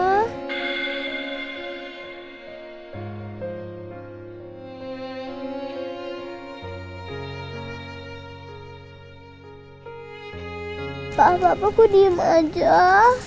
apa apa aku diam aja